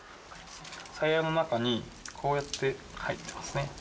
サヤの中にこうやって入ってますね。